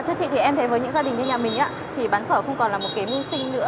thưa chị thì em thấy với những gia đình như nhà mình thì bán phở không còn là một cái mưu sinh nữa